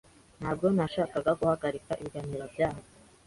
Ntabwo nashakaga guhagarika ibiganiro byanyu.